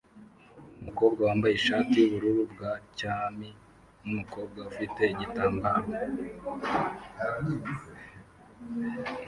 Umukobwa wambaye ishati yubururu bwa cyami numukobwa ufite igitambaro